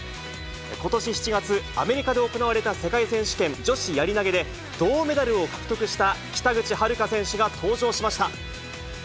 ことし７月、アメリカで行われた世界選手権女子やり投げで、銅メダルを獲得した北口榛花選手が登場しました。